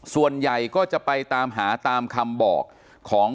ส่วนใหญ่ก็จะไปตามหาตามคำบอกของ